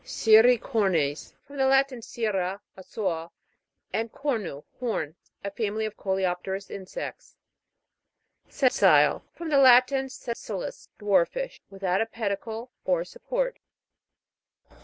SERRICOR'NES. From the Latin, serr<7, a saw, and cornu, horn. A family of coleopterous insects. SES'SILE. From the Latin, sessilis, dwarfish. Without a pedicle or support.